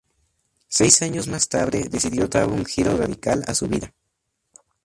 Seis años más tarde, decidió dar un giro radical a su vida.